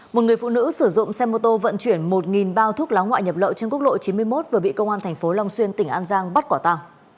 một người phụ nữ sử dụng xe mô tô vận chuyển một bao thuốc lá ngoại nhập lậu trên quốc lộ chín mươi một vừa bị công an tp long xuyên tỉnh an giang bắt quả tàng